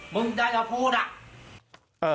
มึงได้มาพูดอะ